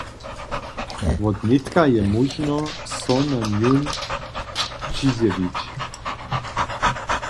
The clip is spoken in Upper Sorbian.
Wotnětka je móžno, so za njón přizjewić.